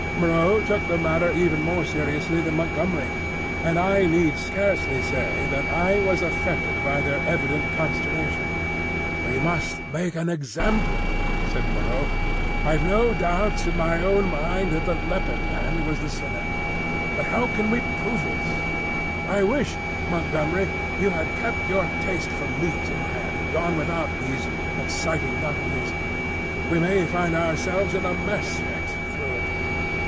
Moreau took the matter even more seriously than Montgomery, and I need scarcely say that I was affected by their evident consternation. "We must make an example," said Moreau. "I've no doubt in my own mind that the Leopard man was the sinner. But how can we prove it? I wish, Montgomery, you had kept your taste for meat in hand, and gone without these exciting novelties. We may find ourselves in a mess yet, through it."